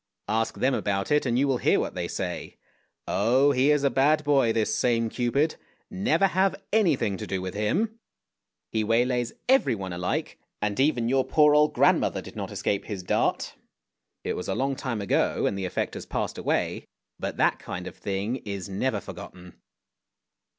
Ask them about it and you will hear what they say. Oh! he is a bad boy this same Cupid. Never have anything to do with him ! He waylays everyone alike, and even your poor old grand mother did not escape his dart. It was a long time ago, and the effect has passed away, but that kind of thing is never forgotten.